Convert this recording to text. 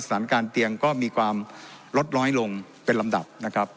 สถานการณ์เตียงก็มีความลดล้อยลงเป็นลำดับ